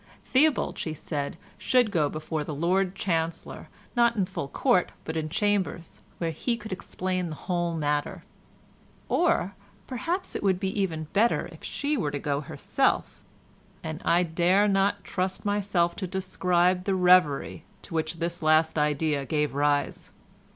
Theobald, she said, should go before the Lord Chancellor, not in full court but in chambers, where he could explain the whole matter; or, perhaps it would be even better if she were to go herself—and I dare not trust myself to describe the reverie to which this last idea gave rise.